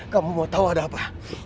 kamu mau tahu ada apa